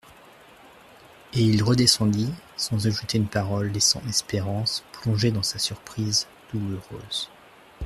Et il redescendit sans ajouter une parole laissant Espérance plongé dans sa surprise douloureuse.